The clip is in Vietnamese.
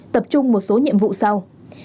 tập trung một số nhiệm vụ sau